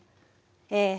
ええ。